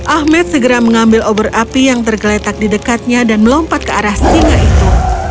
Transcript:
ahmed segera mengambil obor api yang tergeletak di dekatnya dan melompat ke arah singa itu